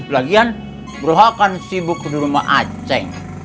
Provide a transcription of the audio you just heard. lagian bro ha kan sibuk di rumah aceh